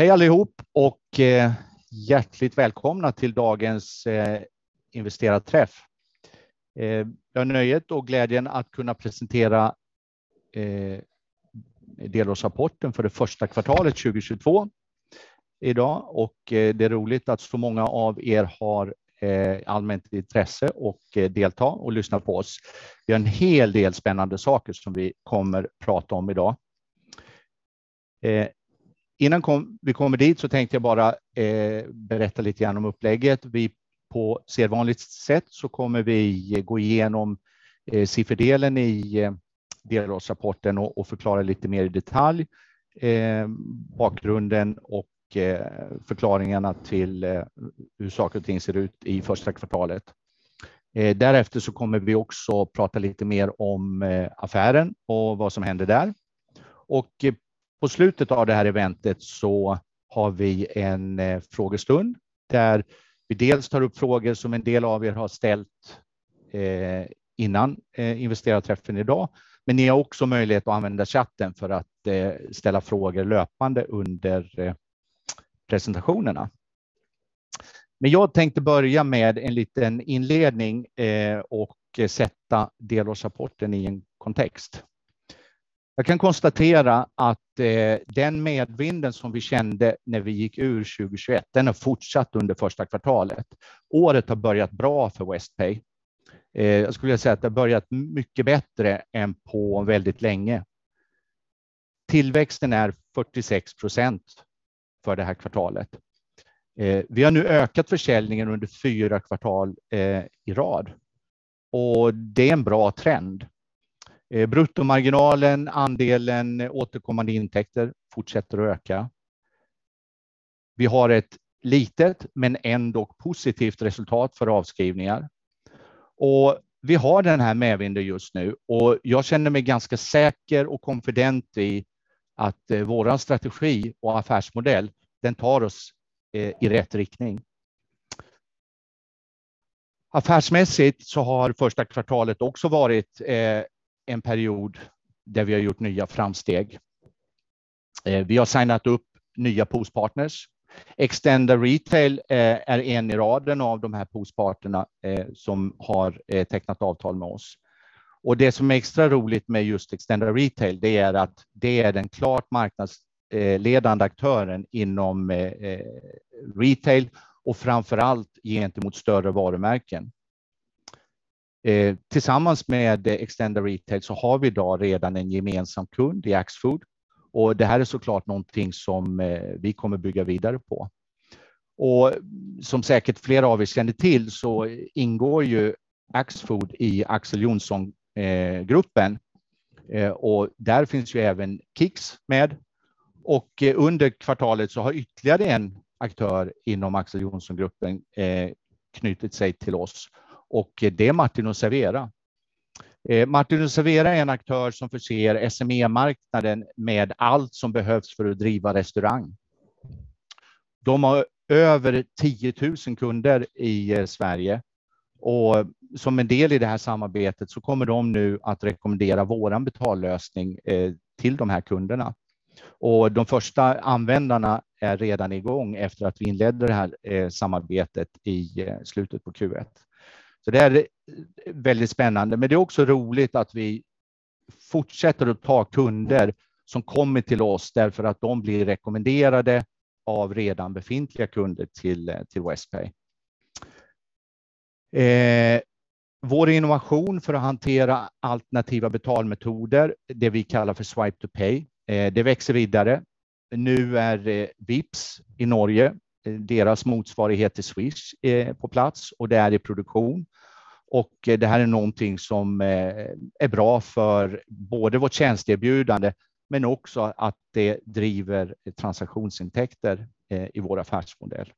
Hej allihop och hjärtligt välkomna till dagens investerarträff. Jag har nöjet och glädjen att kunna presentera delårsrapporten för det första kvartalet 2022 idag och det är roligt att så många av er har anmält intresse att delta och lyssnar på oss. Vi har en hel del spännande saker som vi kommer prata om idag. Innan vi kommer dit så tänkte jag bara berätta lite grann om upplägget. Vi, på sedvanligt sätt, kommer vi gå igenom sifferdelen i delårsrapporten och förklara lite mer i detalj bakgrunden och förklaringarna till hur saker och ting ser ut i första kvartalet. Därefter kommer vi också prata lite mer om affären och vad som händer där. På slutet av det här eventet har vi en frågestund där vi dels tar upp frågor som en del av er har ställt innan investerarträffen idag. Ni har också möjlighet att använda chatten för att ställa frågor löpande under presentationerna. Jag tänkte börja med en liten inledning och sätta delårsrapporten i en kontext. Jag kan konstatera att den medvinden som vi kände när vi gick ur 2021, den har fortsatt under första kvartalet. Året har börjat bra för Westpay. Jag skulle vilja säga att det har börjat mycket bättre än på väldigt länge. Tillväxten är 46% för det här kvartalet. Vi har nu ökat försäljningen under fyra kvartal i rad och det är en bra trend. Bruttomarginalen, andelen återkommande intäkter fortsätter att öka. Vi har ett litet men ändock positivt resultat för avskrivningar. Vi har den här medvinden just nu och jag känner mig ganska säker och konfident i att vår strategi och affärsmodell, den tar oss i rätt riktning. Affärsmässigt har första kvartalet också varit en period där vi har gjort nya framsteg. Vi har signat upp nya POS-partners. Extenda Retail är en i raden av de här POS-partnerna som har tecknat avtal med oss. Och det som är extra roligt med just Extenda Retail, det är att det är den klart marknadsledande aktören inom retail och framför allt gentemot större varumärken. Tillsammans med Extenda Retail har vi i dag redan en gemensam kund i Axfood. Och det här är så klart någonting som vi kommer bygga vidare på. Som säkert flera av er känner till ingår Axfood i Axel Johnson-gruppen. Och där finns även Kicks. Under kvartalet har ytterligare en aktör inom Axel Johnson-gruppen knutit sig till oss och det är Martin & Servera. Martin & Servera är en aktör som förser SME-marknaden med allt som behövs för att driva restaurang. De har över 10,000 kunder i Sverige och som en del i det här samarbetet så kommer de nu att rekommendera vår betallösning till de här kunderna. De första användarna är redan i gång efter att vi inledde det här samarbetet i slutet på Q1. Det är väldigt spännande, men det är också roligt att vi fortsätter att ta kunder som kommer till oss därför att de blir rekommenderade av redan befintliga kunder till Westpay. Vår innovation för att hantera alternativa betalmetoder, det vi kallar för Swipe2Pay, det växer vidare. Nu är Vipps i Norge, deras motsvarighet till Swish, är på plats och det är i produktion. Det här är någonting som är bra för både vårt tjänsteerbjudande men också att det driver transaktionsintäkter i vår affärsmodell.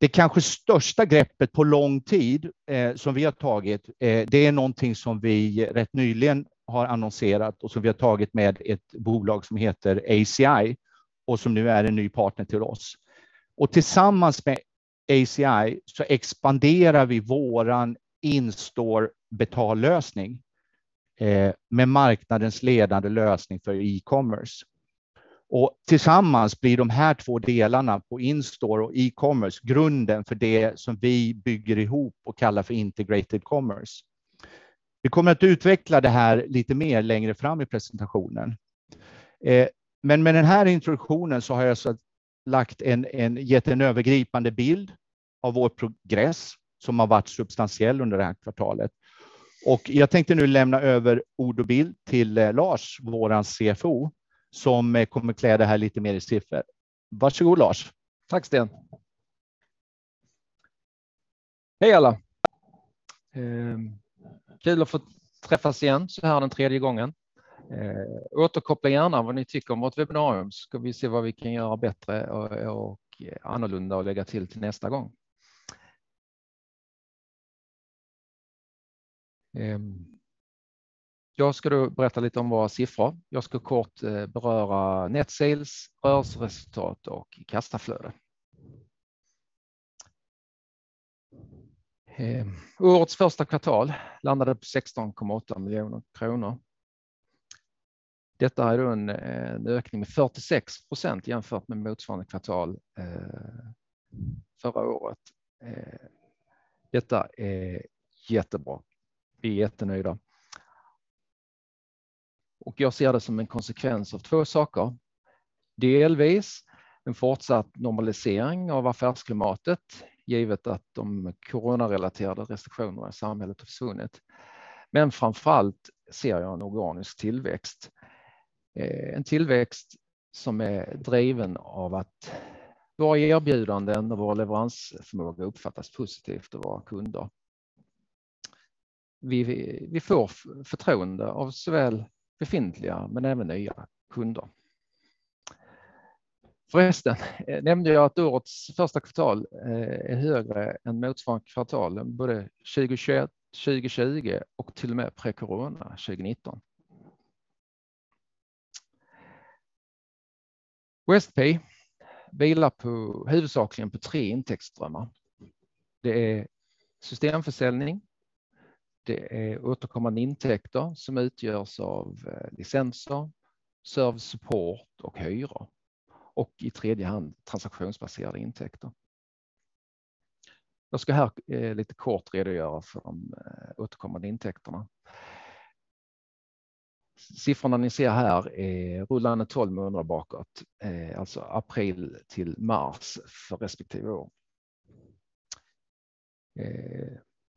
Det kanske största greppet på lång tid som vi har tagit det är någonting som vi rätt nyligen har annonserat och som vi har tagit med ett bolag som heter ACI och som nu är en ny partner till oss. Tillsammans med ACI så expanderar vi vår in-store betallösning med marknadens ledande lösning för e-commerce. Tillsammans blir de här två delarna på in-store och e-commerce grunden för det som vi bygger ihop och kallar för integrated commerce. Vi kommer att utveckla det här lite mer längre fram i presentationen. Med den här introduktionen så har jag så lagt en gett en övergripande bild av vår progress som har varit substantiell under det här kvartalet. Jag tänkte nu lämna över ord och bild till Lars, vår CFO, som kommer klä det här lite mer i siffror. Varsågod, Lars. Tack Sten. Hej alla. Kul att få träffas igen så här den tredje gången. Återkoppla gärna vad ni tycker om vårt webbinarium så ska vi se vad vi kan göra bättre och annorlunda och lägga till till nästa gång. Jag ska då berätta lite om våra siffror. Jag ska kort beröra net sales, rörelseresultat och kassaflöde. Årets första kvartal landade på SEK 16.8 miljoner. Detta är då en ökning med 46% jämfört med motsvarande kvartal förra året. Detta är jättebra. Vi är jättenöjda. Jag ser det som en konsekvens av två saker. Delvis en fortsatt normalisering av affärsklimatet, givet att de coronarelaterade restriktionerna i samhället har försvunnit. Framför allt ser jag en organisk tillväxt. En tillväxt som är driven av att våra erbjudanden och vår leveransförmåga uppfattas positivt av våra kunder. Vi får förtroende av såväl befintliga men även nya kunder. Förresten nämnde jag att årets första kvartal är högre än motsvarande kvartal, både 2021, 2020 och till och med pre-corona 2019. Westpay vilar på huvudsakligen 3 intäktsströmmar. Det är systemförsäljning, det är återkommande intäkter som utgörs av licenser, service, support och hyror och i tredje hand transaktionsbaserade intäkter. Jag ska här lite kort redogöra för de återkommande intäkterna. Siffrorna ni ser här är rullande 12 månader bakåt, alltså april till mars för respektive år.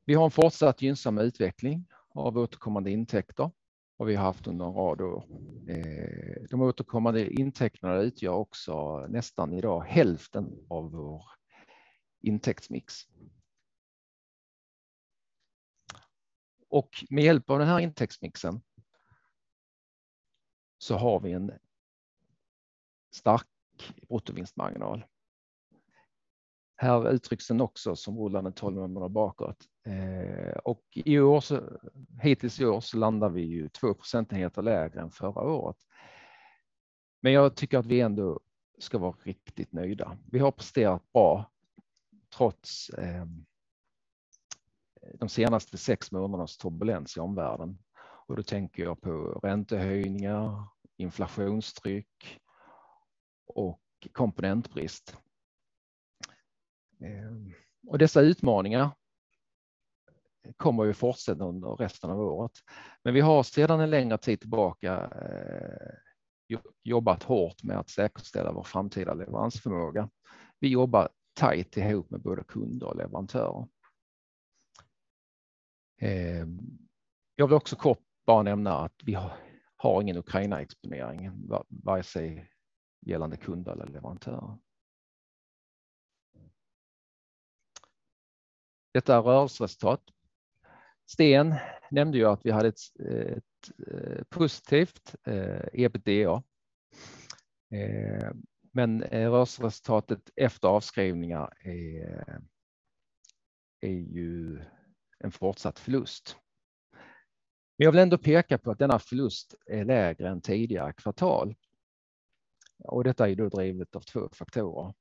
Vi har en fortsatt gynnsam utveckling av återkommande intäkter. Vi haft under en rad år. De återkommande intäkterna utgör också nästan i dag hälften av vår intäktsmix. Med hjälp av den här intäktsmixen så har vi en stark bruttovinstmarginal. Här uttrycks den också som rullande 12 månader bakåt. I år hittills landar vi 2 procentenheter lägre än förra året. Jag tycker att vi ändå ska vara riktigt nöjda. Vi har presterat bra trots de senaste 6 månadernas turbulens i omvärlden. Då tänker jag på räntehöjningar, inflationstryck och komponentbrist. Dessa utmaningar kommer vi fortsätta under resten av året. Vi har sedan en längre tid tillbaka jobbat hårt med att säkerställa vår framtida leveransförmåga. Vi jobbar tajt ihop med både kunder och leverantörer. Jag vill också kort bara nämna att vi har ingen Ukrainaexponering, vare sig gällande kunder eller leverantörer. Detta är rörelseresultat. Sten nämnde ju att vi hade ett positivt EBITDA. Rörelseresultatet efter avskrivningar är ju en fortsatt förlust. Jag vill ändå peka på att denna förlust är lägre än tidigare kvartal. Detta är då drivet av två faktorer.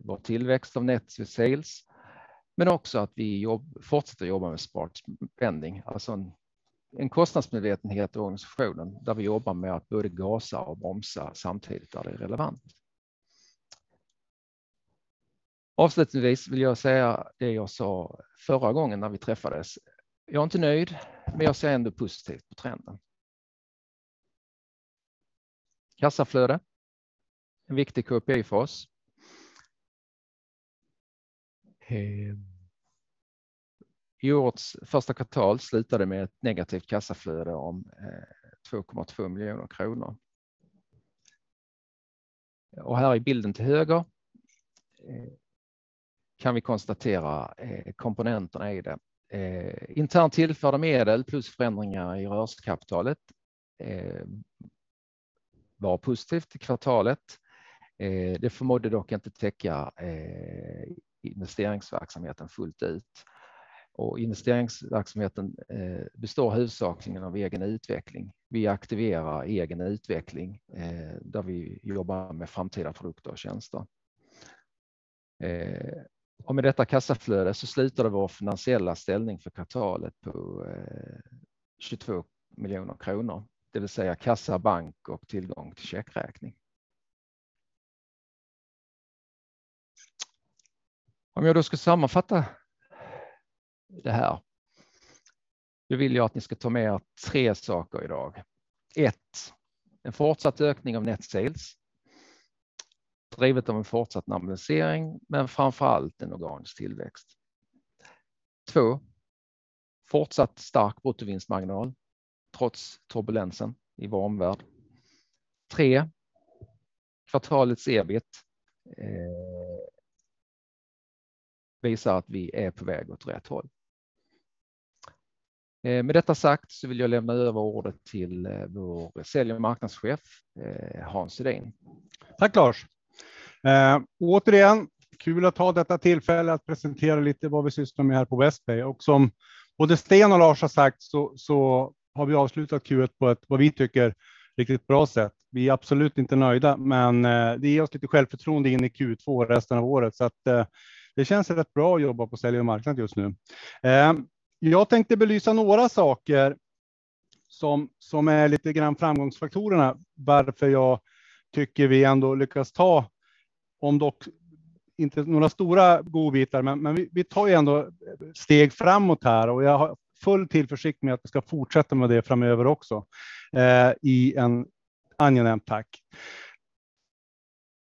Vår tillväxt av net sales, men också att vi fortsätter jobba med smart spending, alltså en kostnadsmedvetenhet i organisationen där vi jobbar med att både gasa och bromsa samtidigt där det är relevant. Avslutningsvis vill jag säga det jag sa förra gången när vi träffades. Jag är inte nöjd, men jag ser ändå positivt på trenden. Kassaflöde. En viktig KPI för oss. I årets första kvartal slutade med ett negativt kassaflöde om SEK 2.2 million. Här i bilden till höger kan vi konstatera komponenterna i det. Internt tillförda medel plus förändringar i rörelsekapitalet var positivt i kvartalet. Det förmådde dock inte täcka investeringsverksamheten fullt ut. Investeringsverksamheten består huvudsakligen av egen utveckling. Vi aktiverar egen utveckling där vi jobbar med framtida produkter och tjänster. Med detta kassaflöde så slutar vår finansiella ställning för kvartalet på SEK 22 miljoner, det vill säga kassa, bank och tillgång till checkräkning. Om jag då ska sammanfatta det här, då vill jag att ni ska ta med er 3 saker i dag. 1. En fortsatt ökning av net sales, drivet av en fortsatt normalisering, men framför allt en organisk tillväxt. 2. Fortsatt stark bruttovinstmarginal trots turbulensen i vår omvärld. 3. Kvartalets EBIT visar att vi är på väg åt rätt håll. Med detta sagt så vill jag lämna över ordet till vår Sälj- och Marknadschef, Hans Schedin. Tack Lars. Återigen, kul att ha detta tillfälle att presentera lite vad vi sysslar med här på Westpay. Som både Sten och Lars har sagt så har vi avslutat Q1 på ett, vad vi tycker, riktigt bra sätt. Vi är absolut inte nöjda, men det ger oss lite självförtroende in i Q2 resten av året. Det känns rätt bra att jobba på sälj och marknad just nu. Jag tänkte belysa några saker. Som är lite grann framgångsfaktorerna varför jag tycker vi ändå lyckas ta, om dock inte några stora godbitar. Men vi tar ju ändå steg framåt här och jag har full tillförsikt med att vi ska fortsätta med det framöver också i en angenäm takt.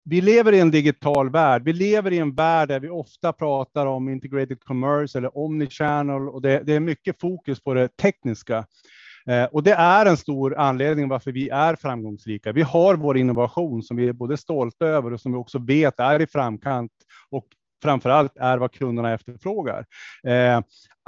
Vi lever i en digital värld. Vi lever i en värld där vi ofta pratar om integrated commerce eller omnichannel och det är mycket fokus på det tekniska. Det är en stor anledning varför vi är framgångsrika. Vi har vår innovation som vi är både stolta över och som vi också vet är i framkant och framför allt är vad kunderna efterfrågar.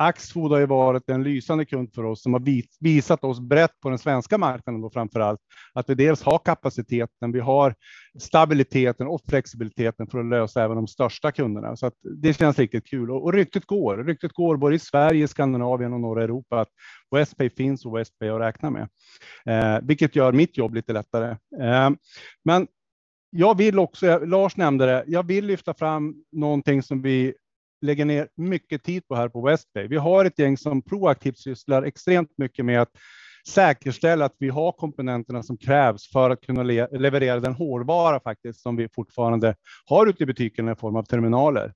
Axfood har ju varit en lysande kund för oss som har visat oss brett på den svenska marknaden då framför allt att vi dels har kapaciteten, vi har stabiliteten och flexibiliteten för att lösa även de största kunderna. Det känns riktigt kul. Ryktet går både i Sverige, Skandinavien och norra Europa att Westpay finns och Westpay att räkna med. Vilket gör mitt jobb lite lättare. Jag vill också, Lars nämnde det. Jag vill lyfta fram någonting som vi lägger ner mycket tid på här på Westpay. Vi har ett gäng som proaktivt sysslar extremt mycket med att säkerställa att vi har komponenterna som krävs för att kunna leverera den hårdvara faktiskt som vi fortfarande har ute i butiken i form av terminaler.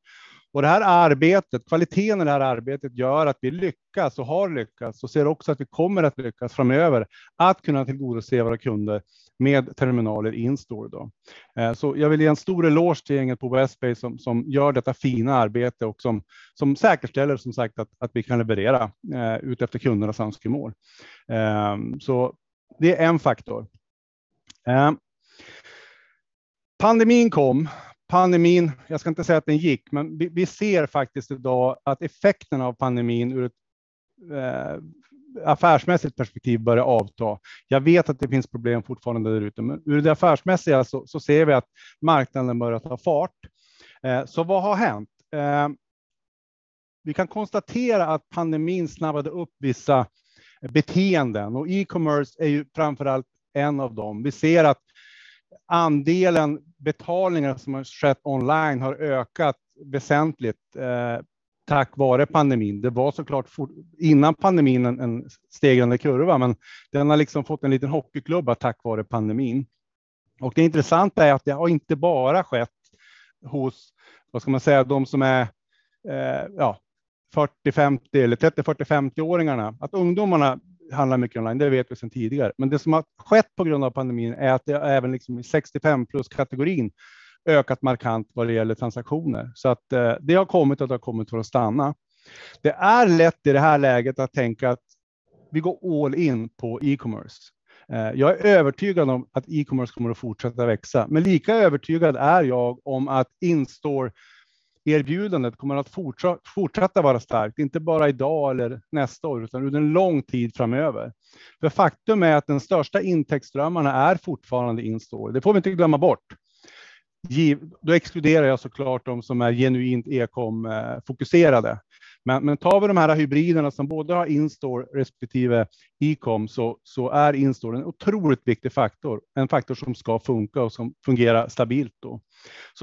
Det här arbetet, kvaliteten i det här arbetet gör att vi lyckas och har lyckats och ser också att vi kommer att lyckas framöver att kunna tillgodose våra kunder med terminaler in store då. Jag vill ge en stor eloge till gänget på Westpay som gör detta fina arbete och som säkerställer som sagt att vi kan leverera ut efter kundernas önskemål. Det är en faktor. Pandemin kom. Pandemin, jag ska inte säga att den gick, men vi ser faktiskt i dag att effekten av pandemin ur ett affärsmässigt perspektiv börjar avta. Jag vet att det finns problem fortfarande där ute, men ur det affärsmässiga så ser vi att marknaden börjar ta fart. Så vad har hänt? Vi kan konstatera att pandemin snabbade upp vissa beteenden och e-commerce är ju framför allt en av dem. Vi ser att andelen betalningar som har skett online har ökat väsentligt tack vare pandemin. Det var så klart innan pandemin en stegrande kurva, men den har liksom fått en liten hockeyklubba tack vare pandemin. Och det intressanta är att det har inte bara skett hos, vad ska man säga, de som är fyrtio, femtio eller trettio, fyrtio, femtio åringarna. Att ungdomarna handlar mycket online, det vet vi sedan tidigare. Det som har skett på grund av pandemin är att det även liksom i 65+ kategorin ökat markant vad det gäller transaktioner. Det har kommit och det har kommit för att stanna. Det är lätt i det här läget att tänka att vi går all in på e-commerce. Jag är övertygad om att e-commerce kommer att fortsätta växa, men lika övertygad är jag om att in store erbjudandet kommer att fortsätta vara starkt. Inte bara i dag eller nästa år, utan under en lång tid framöver. Faktum är att den största intäktsströmmarna är fortfarande in store. Det får vi inte glömma bort. Då exkluderar jag så klart de som är genuint e-com fokuserade. Men tar vi de här hybriderna som både har in store respektive e-com så är in store en otroligt viktig faktor. En faktor som ska funka och som fungerar stabilt då.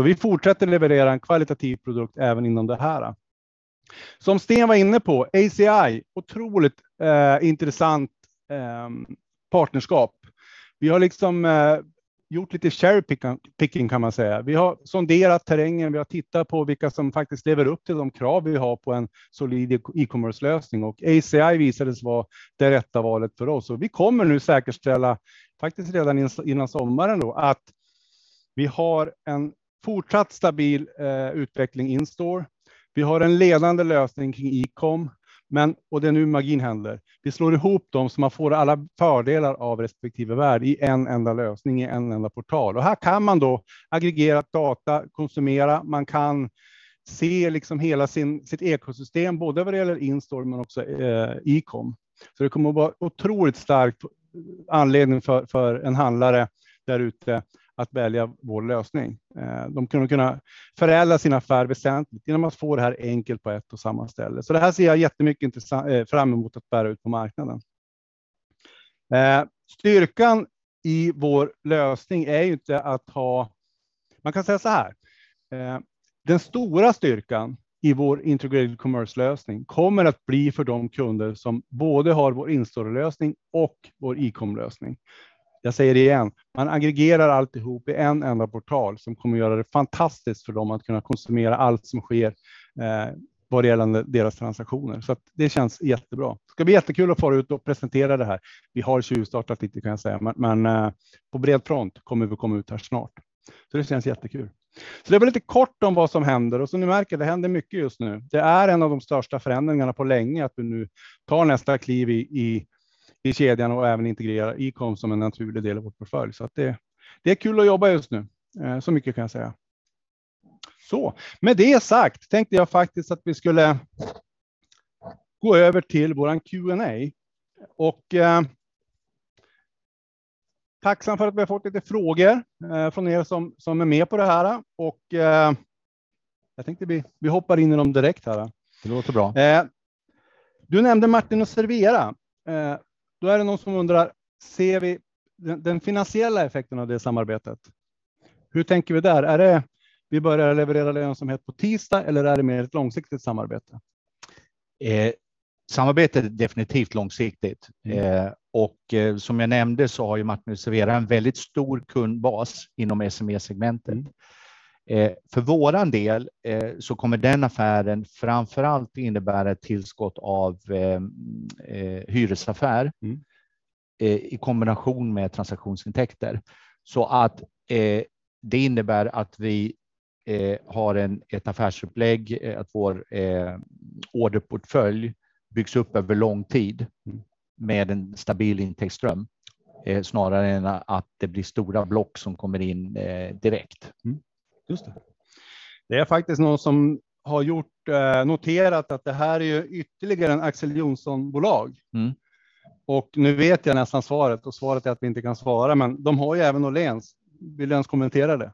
Vi fortsätter leverera en kvalitativ produkt även inom det här. Som Sten var inne på, ACI, otroligt intressant partnerskap. Vi har liksom gjort lite cherry picking kan man säga. Vi har sonderat terrängen, vi har tittat på vilka som faktiskt lever upp till de krav vi har på en solid e-commerce lösning och ACI visade sig vara det rätta valet för oss. Vi kommer nu säkerställa, faktiskt redan innan sommaren då, att vi har en fortsatt stabil utveckling in store. Vi har en ledande lösning kring e-com, men och det är nu magin händer. Vi slår ihop dem så man får alla fördelar av respektive värld i en enda lösning, i en enda portal. Här kan man då aggregera data, konsumera. Man kan se liksom hela sitt ekosystem, både vad det gäller in store men också e-com. Det kommer att vara otroligt stark anledning för en handlare där ute att välja vår lösning. De kommer kunna förädla sin affär väsentligt igenom att få det här enkelt på ett och samma ställe. Det här ser jag jättemycket fram emot att bära ut på marknaden. Styrkan i vår lösning är ju inte att ha, man kan säga såhär. Den stora styrkan i vår integrated commerce lösning kommer att bli för de kunder som både har vår in store lösning och vår e-com lösning. Jag säger det igen, man aggregerar alltihop i en enda portal som kommer att göra det fantastiskt för dem att kunna konsumera allt som sker vad det gäller deras transaktioner. Det känns jättebra. Det ska bli jättekul att få ut och presentera det här. Vi har tjuvstartat lite kan jag säga, men på bred front kommer vi komma ut här snart. Det känns jättekul. Det var lite kort om vad som händer. Som ni märker, det händer mycket just nu. Det är en av de största förändringarna på länge att vi nu tar nästa kliv i kedjan och även integrerar e-com som en naturlig del av vårt portfölj. Att det är kul att jobba just nu. Mycket kan jag säga. Med det sagt tänkte jag faktiskt att vi skulle gå över till vår Q&A. Tacksam för att vi har fått lite frågor från er som är med på det här. Jag tänkte vi hoppar in i dem direkt här. Det låter bra. Du nämnde Martin & Servera. Då är det någon som undrar: Ser vi den finansiella effekten av det samarbetet? Hur tänker vi där? Är det vi börjar leverera lönsamhet på tisdag eller är det mer ett långsiktigt samarbete? Samarbetet är definitivt långsiktigt. Som jag nämnde så har ju Martin & Servera en väldigt stor kundbas inom SME-segmentet. För våran del så kommer den affären framför allt innebära ett tillskott av hyresaffär i kombination med transaktionsintäkter. Det innebär att vi har ett affärsupplägg, att vår orderportfölj byggs upp över lång tid med en stabil intäktsström. Snarare än att det blir stora block som kommer in direkt. Just det. Det är faktiskt någon som har noterat att det här är ju ytterligare en Axel Johnson-bolag. Nu vet jag nästan svaret och svaret är att vi inte kan svara, men de har ju även Åhléns. Vill du ens kommentera det?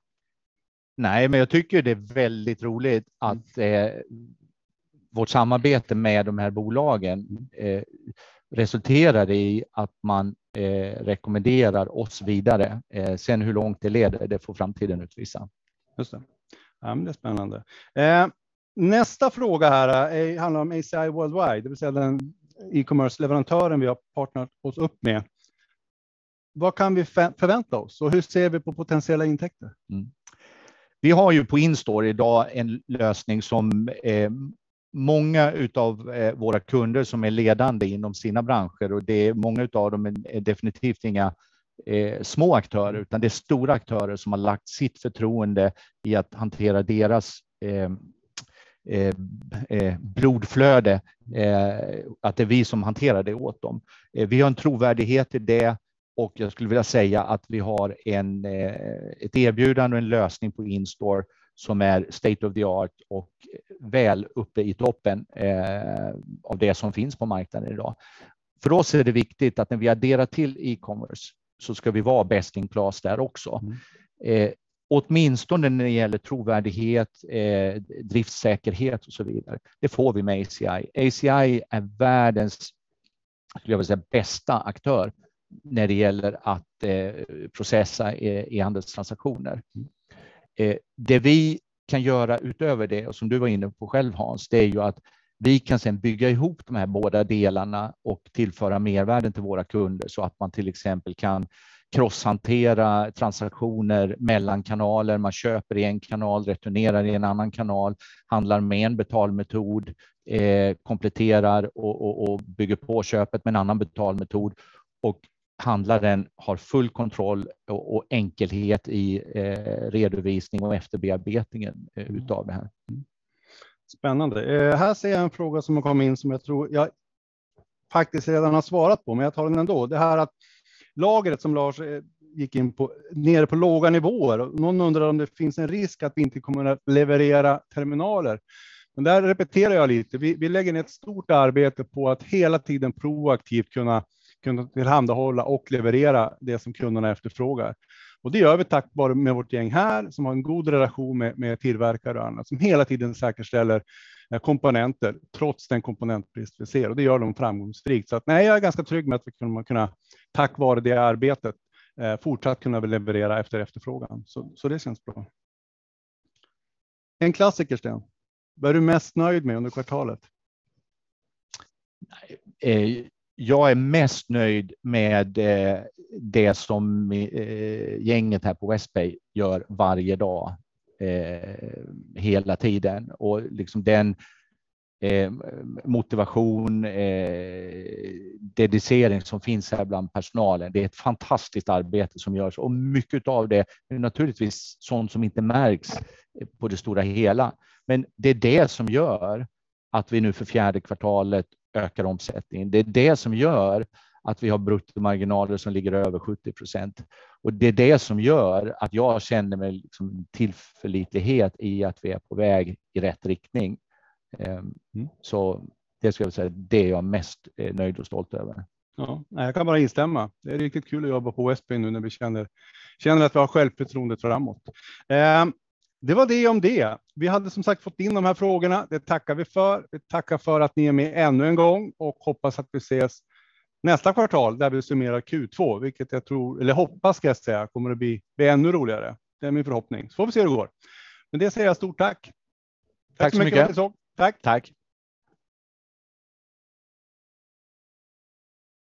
Nej, men jag tycker det är väldigt roligt att vårt samarbete med de här bolagen resulterar i att man rekommenderar oss vidare. Sen hur långt det leder, det får framtiden utvisa. Just det. Ja, men det är spännande. Nästa fråga här handlar om ACI Worldwide, det vill säga den e-commerce-leverantören vi har partnerat oss upp med. Vad kan vi förvänta oss och hur ser vi på potentiella intäkter? Vi har ju på InStore idag en lösning som många av våra kunder som är ledande inom sina branscher och det är många av dem är definitivt inga små aktörer, utan det är stora aktörer som har lagt sitt förtroende i att hantera deras kassaflöde. Att det är vi som hanterar det åt dem. Vi har en trovärdighet i det och jag skulle vilja säga att vi har en, ett erbjudande och en lösning på InStore som är state of the art och väl uppe i toppen av det som finns på marknaden idag. För oss är det viktigt att när vi adderar till e-commerce så ska vi vara best in class där också. Åtminstone när det gäller trovärdighet, driftssäkerhet och så vidare. Det får vi med ACI. ACI är världens, skulle jag vilja säga, bästa aktör när det gäller att processa e-handelstransaktioner. Det vi kan göra utöver det och som du var inne på själv, Hans, det är ju att vi kan sedan bygga ihop de här båda delarna och tillföra mervärden till våra kunder så att man till exempel kan cross-hantera transaktioner mellan kanaler. Man köper i en kanal, returnerar i en annan kanal, handlar med en betalmetod, kompletterar och bygger på köpet med en annan betalmetod. Handlaren har full kontroll och enkelhet i redovisning och efterbearbetningen utav det här. Spännande. Här ser jag en fråga som har kommit in som jag tror jag faktiskt redan har svarat på, men jag tar den ändå. Det här att lagret som Lars gick in på, nere på låga nivåer. Någon undrar om det finns en risk att vi inte kommer att leverera terminaler. Där repeterar jag lite. Vi lägger ner ett stort arbete på att hela tiden proaktivt kunna tillhandahålla och leverera det som kunderna efterfrågar. Det gör vi tack vare med vårt gäng här som har en god relation med tillverkare och annat som hela tiden säkerställer komponenter trots den komponentbrist vi ser. Det gör de framgångsrikt. Nej, jag är ganska trygg med att vi kommer kunna tack vare det arbetet fortsatt kunna leverera efterfrågan. Det känns bra. En klassiker, Sten. Vad är du mest nöjd med under kvartalet? Jag är mest nöjd med det som gänget här på Westpay gör varje dag, hela tiden. Liksom den motivation, dedikation som finns här bland personalen. Det är ett fantastiskt arbete som görs och mycket utav det är naturligtvis sådant som inte märks på det stora hela. Det är det som gör att vi nu för fjärde kvartalet ökar omsättningen. Det är det som gör att vi har bruttomarginaler som ligger över 70%. Det är det som gör att jag känner mig liksom tillförlitlighet i att vi är på väg i rätt riktning. Det skulle jag säga, det är jag mest nöjd och stolt över. Ja, jag kan bara instämma. Det är riktigt kul att jobba på Westpay nu när vi känner att vi har självförtroendet framåt. Det var det om det. Vi hade som sagt fått in de här frågorna. Det tackar vi för. Vi tackar för att ni är med ännu en gång och hoppas att vi ses nästa kvartal där vi summerar Q2, vilket jag tror eller hoppas jag ska säga, kommer att bli ännu roligare. Det är min förhoppning. Får vi se hur det går. Med det säger jag stort tack. Tack så mycket. Tack. Tack